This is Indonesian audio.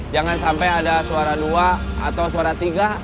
jangan sampai ada suara dua atau suara tiga